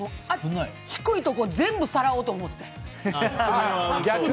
低いところ全部さらおうと思って。